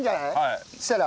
そうしたら？